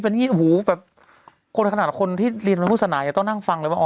เป็นอย่างงี้หูแบบคนขนาดคนที่เรียนบริษนาอย่าต้องนั่งฟังเลยว่า